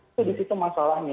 itu di situ masalahnya